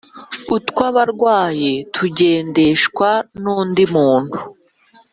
utw'abarwayi tugendeshwa n'undi muntu